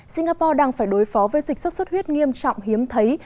singapore đang phải đối phó với dịch sốt xuất huyết nghiêm trọng hiếm thấy